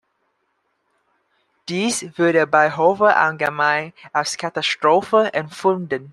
Dies wurde bei Hofe allgemein als Katastrophe empfunden.